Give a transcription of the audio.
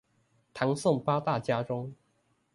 唐宋八大家中